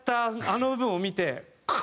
あの部分を見て。